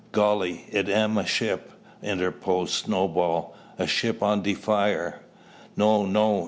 "Golly! it am a ship," interposed Snowball, "a ship on de fire!" "No! no!"